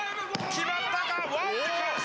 決まった！